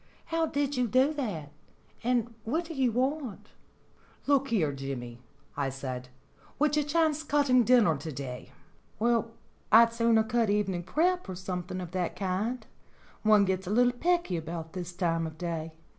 How did you do that? And what do you want?" "Look here, Jimmy," I said, "would you chance cutting dinner to day ?" "Well, I'd sooner cut evening prep, or something of that kind. One gets a bit pecky about this time of day.